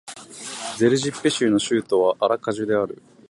セルジッペ州の州都はアラカジュである